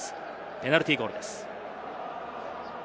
ペナルティーゴールです。